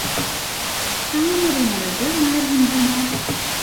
தாமரை மலர்கள் மலர்கின்றன.